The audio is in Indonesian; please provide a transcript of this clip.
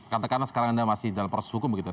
katakanlah sekarang anda masih dalam proses hukum begitu